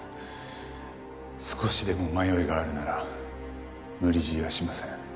少しでも迷いがあるなら無理強いはしません。